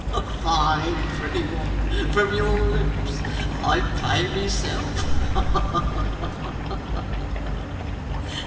A fine, pretty one, from your lips. I pay myself! Ha ha ha!